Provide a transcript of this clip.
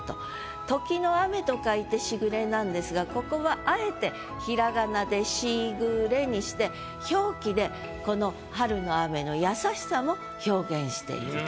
「時の雨」と書いて「時雨」なんですがここは「しぐれ」にして表記でこの春の雨の優しさも表現していると。